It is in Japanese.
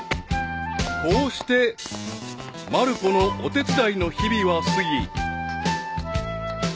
［こうしてまる子のお手伝いの日々は過ぎ］